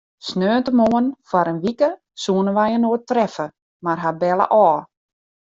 Sneontemoarn foar in wike soene wy inoar treffe, mar hy belle ôf.